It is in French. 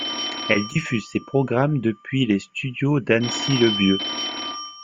Elle diffuse ses programmes depuis les studios d'Annecy-le-Vieux.